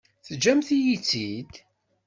Teǧǧamt-iyi-tt-id.